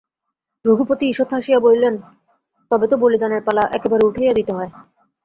রঘুপতি ঈষৎ হাসিয়া বলিলেন, তবে তো বলিদানের পালা একেবারে উঠাইয়া দিতে হয়।